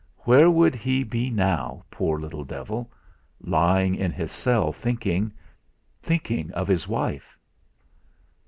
Where would he be now poor little devil! lying in his cell, thinking thinking of his wife!